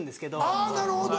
あぁなるほど！